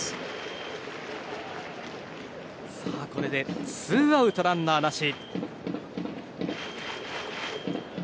これでツーアウトランナーなし。